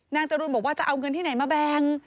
จรูนบอกว่าจะเอาเงินที่ไหนมาแบ่ง